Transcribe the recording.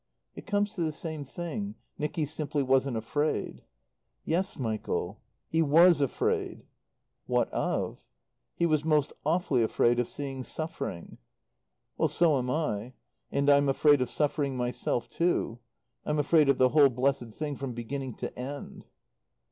"It comes to the same thing, Nicky simply wasn't afraid." "Yes, Michael, he was afraid." "What of?" "He was most awfully afraid of seeing suffering." "Well, so am I. And I'm afraid of suffering myself too. I'm afraid of the whole blessed thing from beginning to end."